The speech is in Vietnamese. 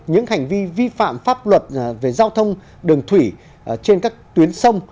những hành vi vi phạm pháp luật về giao thông đường thủy trên các tuyến sông